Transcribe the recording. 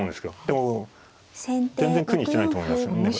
でも全然苦にしてないと思いますね。